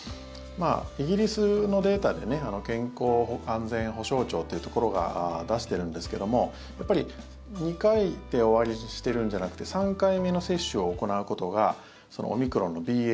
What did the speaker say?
イギリスのデータで健康安全保障庁というところが出してるんですけれども、２回で終わりにしてるんじゃなくて３回目の接種を行うことがオミクロンのＢＡ．